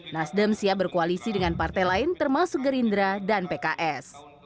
nasdem siap berkoalisi dengan partai lain termasuk gerindra dan pks